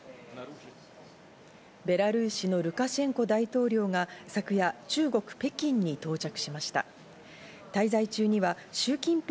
ベラルーシのルカシェンコ大統領が昨夜、中国・北京に到着しました。